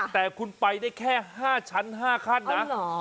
แต่คุณไปได้แค่๕ชั้น๕ขั้นนะ